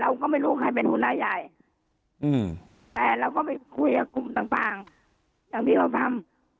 เราก็ไม่รู้ใครเป็นหัวหน้าใหญ่แต่เราก็ไปคุยกับกลุ่มต่างอย่างที่เราทำ